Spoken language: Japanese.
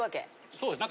そうですね